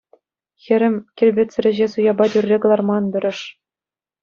Хӗрӗм, килпетсӗр ӗҫе суяпа тӳрре кӑларма ан тӑрӑш.